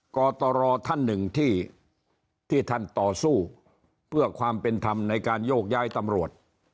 กตรท่านหนึ่งที่ท่านต่อสู้เพื่อความเป็นธรรมในการโยกย้ายตำรวจ